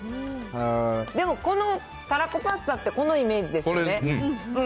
でもこの、たらこパスタって、このイメージですかね。